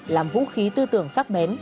làm vũ khí tư tưởng sắc bén